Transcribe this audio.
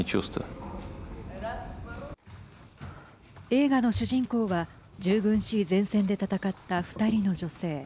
映画の主人公は従軍し前線で戦った２人の女性。